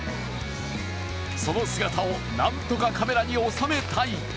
その姿を何とかカメラに収めたい。